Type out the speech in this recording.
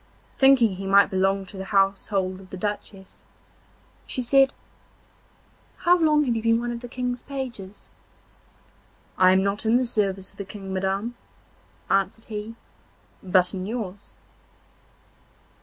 Thinking he might belong to the household of the Duchess, she said: 'How long have you been one of the King's pages?' 'I am not in the service of the King, madam,' answered he, 'but in yours.